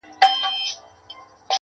• ښه به وي چي دا يې خوښـــه ســـوېده.